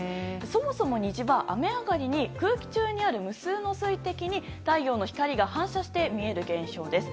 そもそも虹は雨上がりに空気中に無数にある水滴に太陽の光が反射して見える現象です。